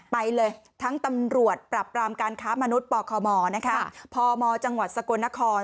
ไปเลยทั้งตำรวจปรับปรามการค้ามนุษย์ปคมพมจังหวัดสกลนคร